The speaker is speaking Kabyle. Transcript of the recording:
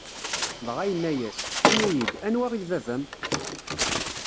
Dɣa yenna-yas: Ini-yi-d, anwa i d baba-m?